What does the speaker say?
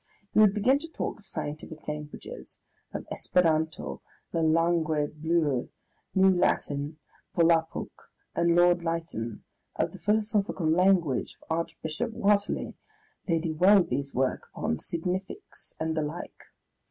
You would begin to talk of scientific languages, of Esperanto, La Langue Bleue, New Latin, Volapuk, and Lord Lytton, of the philosophical language of Archbishop Whateley, Lady Welby's work upon Significs and the like.